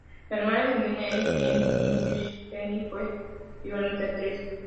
La hermana de Minetti, Jennifer Minetti, fue igualmente actriz.